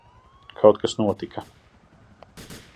Kaut kas notika.